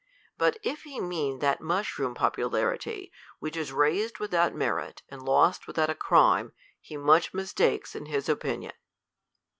But if he mean that mushroom popularity, which is raised without merit and lost without a crime, he much mistakes in his opinion.